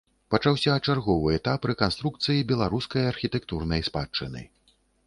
Пачаўся чарговы этап рэканструкцыі беларускай архітэктурнай спадчыны.